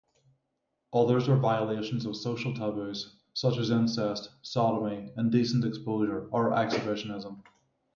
Others are violations of social taboos, such as incest, sodomy, indecent exposure or exhibitionism.